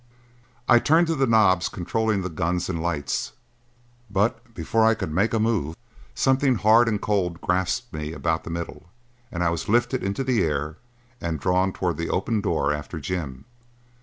I turned to the knobs controlling the guns and lights, but, before I could make a move, something hard and cold grasped me about the middle and I was lifted into the air and drawn toward the open door after Jim.